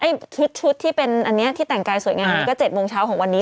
ชุดที่เป็นอันนี้ที่แต่งกายสวยงามอันนี้ก็๗โมงเช้าของวันนี้